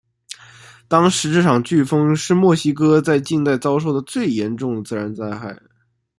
当时这场飓风是墨西哥在近代遭受的最严重的自然灾害。